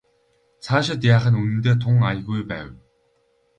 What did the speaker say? Цаашид яах нь үнэндээ тун аягүй байв.